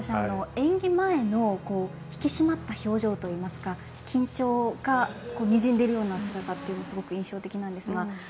演技前の引き締まった表情というか緊張がにじんでるような姿というのはすごく印象的なんですが。